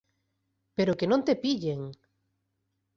Pero que non te pillen!